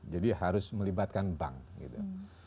jadi harus melibatkan bank gitu